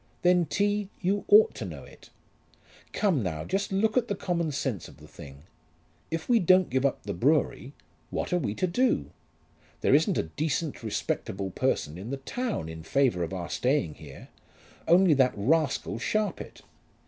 "Then, T., you ought to know it. Come now; just look at the common sense of the thing. If we don't give up the brewery what are we to do? There isn't a decent respectable person in the town in favour of our staying here, only that rascal Sharpit.